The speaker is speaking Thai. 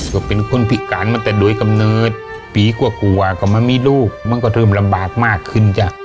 ก็เป็นคนพิการมาแต่โดยกำเนิดปีกว่าก็มันมีลูกมันก็เริ่มลำบากมากขึ้นจ้ะ